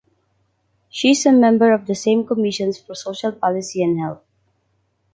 She is a member of the Sejm commissions for social policy and health.